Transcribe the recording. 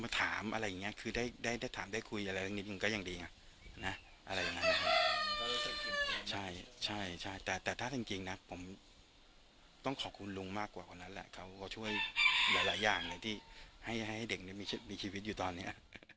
แต่เรื่องนี้อืมก็ยังดีง่ะนะอะไรอย่างนั้นใช่ใช่ใช่แต่แต่ถ้าจริงจริงนะผมต้องขอบคุณลุงมากกว่ากว่านั้นแหละเขาก็ช่วยหลายหลายอย่างเลยที่ให้ให้ให้เด็กมีชีวิตอยู่ตอนนี้นะ